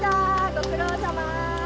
ご苦労さま！